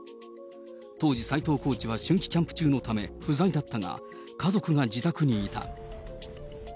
当時、斎藤コーチは春季キャンプ中のため不在だったが、家族が自宅にいた。